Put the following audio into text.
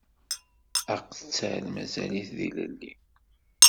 Aqettal mazal-it d ilelli.